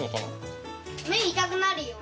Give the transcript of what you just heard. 目痛くなるよ。